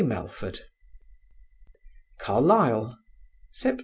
MELFORD CARLISLE, Sep.